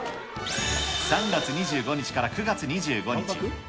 ３月２５日から９月２５日。